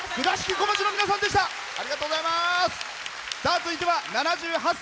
続いては７８歳。